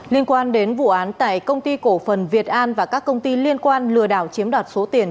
liên quan đến vụ án tại công ty cổ phần việt an và các công ty liên quan lừa đảo chiếm đoạt số tiền